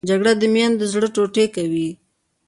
جګړه د میندو زړه ټوټې کوي